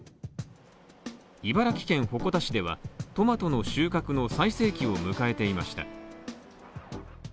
茨城県鉾田市では、トマトの収穫の最盛期を迎えていました。